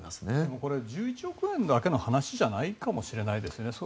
これ１１億円だけの話ではないかもしれないですよね。